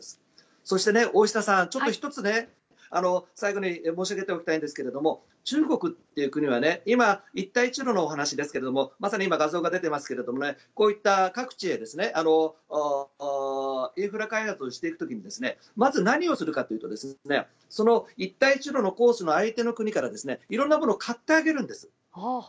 そして大下さん、１つ最後に申し上げておきたいんですけれど中国という国は一帯一路のお話ですけどまさに今画像が出ていますけどこういった各地でインフラ開発をしている時にまず何をするかというと一帯一路のコースの相手の国から色んなものを買ってあげるんです。